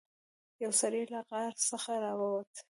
یو سړی له غار څخه راووت.